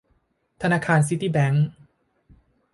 ธนาคารซิตี้แบงค์